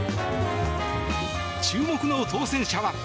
注目の当選者は？